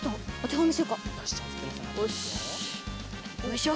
よいしょ！